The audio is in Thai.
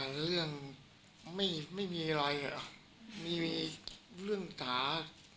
เรื่องไม่มีอะไรไม่มีเรื่องขา